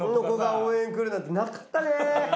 応援来るなんてなかったね。